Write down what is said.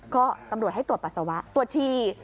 ก็ตำรวจให้ตรวจปัสสาวะตรวจชี